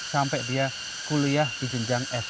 sampai dia kuliah di jenjang f satu